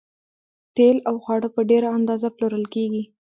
تیل او خواړه په ډیره اندازه پلورل کیږي